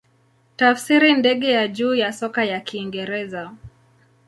Tafsiri ndege ya juu ya soka ya Kiingereza.